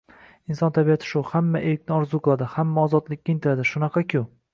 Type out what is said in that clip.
Inson tabiati shu: hamma erkni orzu qiladi. Hamma ozodlikka intiladi. Shunaqa-ku.